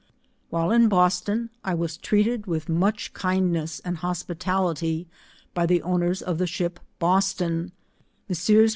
While in Boston, I was treated with much kindness and hospitality by the owners of the ship Boston, Messrs.